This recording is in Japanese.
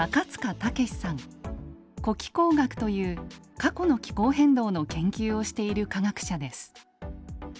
「古気候学」という過去の気候変動の研究をしている科学者です。